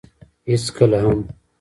هېڅکله هم.